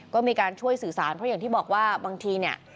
ก็มีการช่วยสื่อสารเพราะอย่างที่บอกว่าบางทีเนี่ย